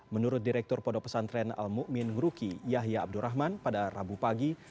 menurut direktur pondok pesantren al mu'min nguruki yahya abdurrahman pada rabu pagi